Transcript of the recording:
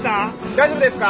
大丈夫ですか？